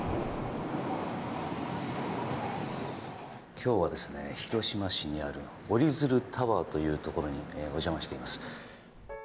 今日は、広島市にあるおりづるタワーというところにお邪魔しています。